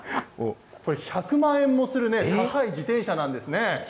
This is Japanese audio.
これ、１００万円もする高い自転車なんですね。